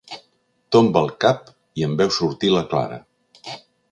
Tomba el cap i en veu sortir la Clara.